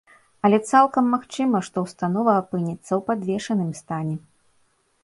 Але цалкам магчыма, што ўстанова апынецца ў падвешаным стане.